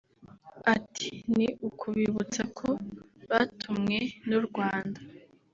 Ati “Ni ukubibutsa ko batumwe n’u Rwanda